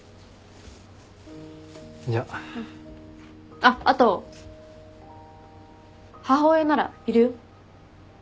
あっあと母親ならいるよ。